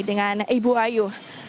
dengan ibu ayu